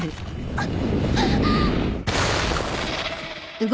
あっ。